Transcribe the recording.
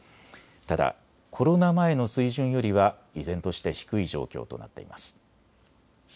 ただコロナ前の水準よりは依然として低い状況となっています。